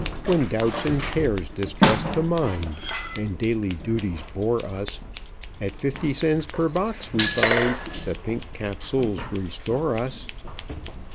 "When doubts and cares distress the mind And daily duties bore us, At fifty cents per box we find The Pink Capsules restore us."